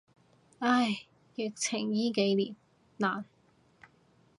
唉，疫情依幾年，難。